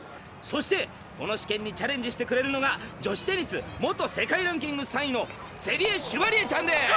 そしてこの試験にチャレンジしてくれるのが女子テニス元世界ランキング３位のセリエ・シュバリエちゃんです！」。